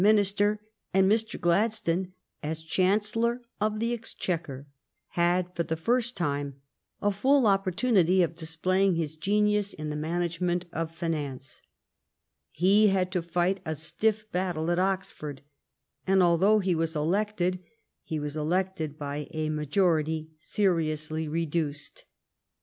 ■■^ Windsor Castle fFrotn 9 pholoGraph by Mr. WLl>u>n, London) Prime Minister, and Mr. Gladstone, as Chancellor of the Exchequer, had for the first time a full opportunity of displaying his genius in the man agement of finance. He had to fight a stiff battle at Oxford. And although he was elected, he was elected by a majority seriously reduced.